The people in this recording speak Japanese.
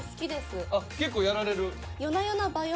結構やられる？